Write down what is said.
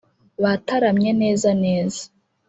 bataramye neza neza